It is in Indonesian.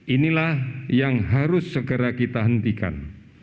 inilah yang harus segera kita hentikan